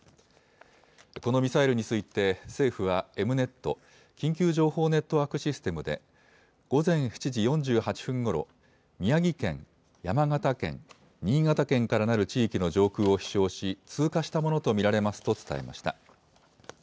このミサイルについて、政府はエムネット・緊急情報ネットワークシステムで午前７時４８分ごろ、宮城県、山形県、新潟県からなる地域の上空を飛しょうし、通過したものと見られますと伝えました。